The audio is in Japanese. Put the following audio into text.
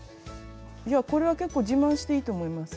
いやこれはけっこう自慢していいと思います。